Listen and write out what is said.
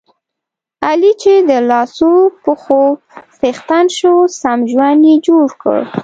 علي چې د لاسو پښو څښتن شو، سم ژوند یې جوړ کړ.